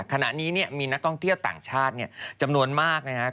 ขณะนี้มีนักท่องเที่ยวต่างชาติจำนวนมากนะครับ